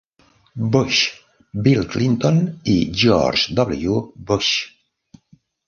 Bush, Bill Clinton i George W. Bush.